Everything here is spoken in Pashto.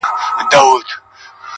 کلي نوې څېره خپلوي ورو-